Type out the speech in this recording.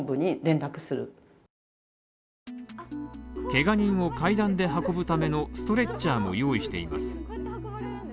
けが人を階段で運ぶためのストレッチャーも用意しています。